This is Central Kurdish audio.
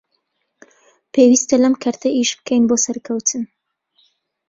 پێویستە لەم کەرتە ئیش بکەین بۆ سەرکەوتن